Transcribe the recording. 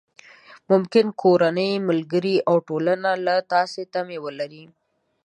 ممکن کورنۍ، ملګري او ټولنه له تاسې تمې ولري.